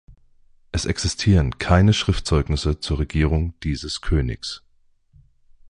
Es existieren keine Schriftzeugnisse zur Regierung dieses Königs.